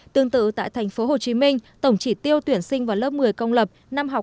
tương tự tại thành phố hồ chí minh tổng chỉ tiêu tuyển sinh vào lớp một mươi công lập